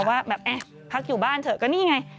ว่าแบบพักอยู่บ้านเถอะก็นี่ไง